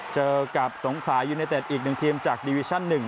เจอกับสงขาอยู่ในเดือดอีกหนึ่งทีมจากดิวิชั่น๑นะครับ